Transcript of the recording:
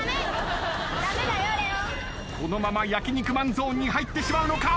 このまま焼肉マンゾーンに入ってしまうのか？